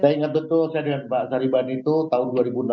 saya ingat betul saya dengar pak sariban itu tahun dua ribu enam belas